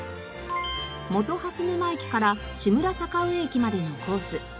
本蓮沼駅から志村坂上駅までのコース。